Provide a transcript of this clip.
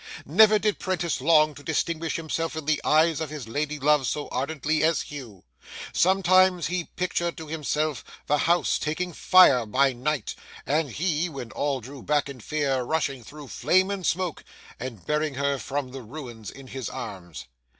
Never did 'prentice long to distinguish himself in the eyes of his lady love so ardently as Hugh. Sometimes he pictured to himself the house taking fire by night, and he, when all drew back in fear, rushing through flame and smoke, and bearing her from the ruins in his arms.